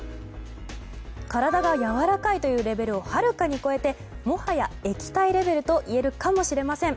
体がやわらかいというレベルをはるかに超えてもはや液体レベルと言えるかもしれません。